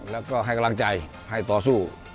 แล้วก็ให้กำลังใจให้ต่อสู้